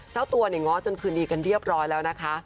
เจ้าตัวเนี่ยง้อจนคืนดีกันเรียบร้อยแล้วนะคะ